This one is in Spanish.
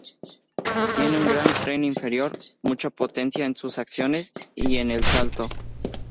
Tiene un gran tren inferior, mucha potencia en sus acciones y en el salto.